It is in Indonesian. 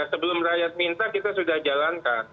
sebelum rakyat minta kita sudah jalankan